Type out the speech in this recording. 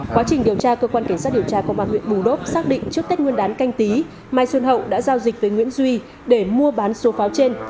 quá trình điều tra cơ quan cảnh sát điều tra công an huyện bù đốp xác định trước tết nguyên đán canh tí mai xuân hậu đã giao dịch với nguyễn duy để mua bán số pháo trên